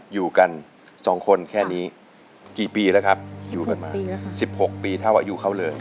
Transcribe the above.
อยู่กันสองคนแค่นี้กี่ปีแล้วครับอยู่กันมา๑๖ปีเท่าอายุเขาเลย